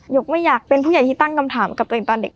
กไม่อยากเป็นผู้ใหญ่ที่ตั้งคำถามกับตัวเองตอนเด็ก